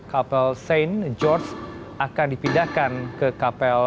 kapel saint george akan dipindahkan ke kapel memorial windsor